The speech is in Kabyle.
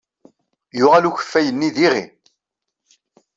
Yuɣal ukeffay-nni d iɣi.